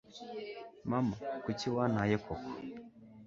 mama! kuki wantaye koko